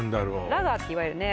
ラガーっていわゆるね